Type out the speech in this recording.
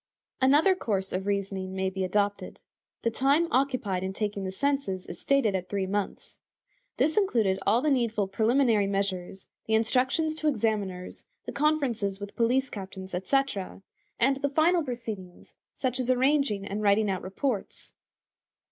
Another course of reasoning may be adopted. The time occupied in taking the census is stated at three months. This included all the needful preliminary measures, the instructions to examiners, the conferences with police captains, etc; and the final proceedings, such as arranging and writing out reports.